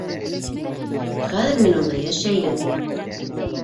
Хәҙер мин унда йәшәйем.